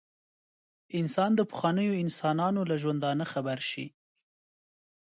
انسان د پخوانیو انسانانو له ژوندانه خبر شي.